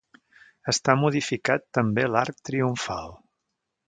Està modificat també l'arc triomfal.